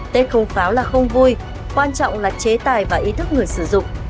tết không pháo là không vui quan trọng là chế tài và ý thức người sử dụng